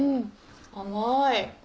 甘い。